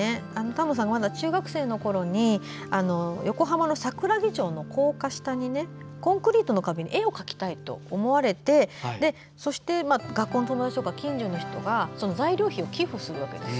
多聞さんが、まだ中学生のときに横浜の桜木町の高架下にコンクリートの壁に絵を描きたいと思われてそして、学校の友達とか近所の人が、材料費を寄付するわけです。